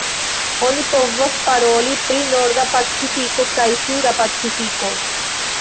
Oni povas paroli pri Norda Pacifiko kaj Suda Pacifiko.